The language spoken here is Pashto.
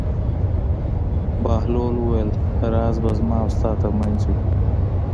بهلول وویل: راز به زما او ستا تر منځ وي.